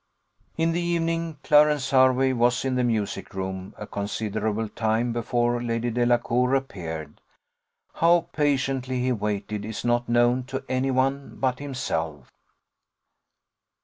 In the evening, Clarence Hervey was in the music room a considerable time before Lady Delacour appeared: how patiently he waited is not known to any one but himself.